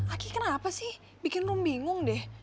aki kenapa sih bikin rum bingung deh